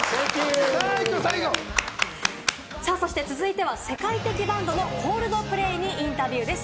そして続いては、世界的バンド、コールドプレイにインタビューです。